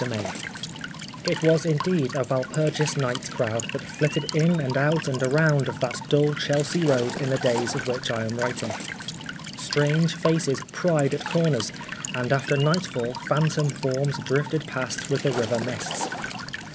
163 XIV IT was indeed a Walpurgis night's crowd that flitted an and out and around of that dull Chelsea Road in the days of which I am writing. Strange faces pried at corners, and after nightfall phantom forms drifted past with the river mists.